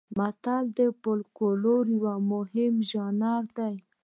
متل د فولکلور یو مهم ژانر دی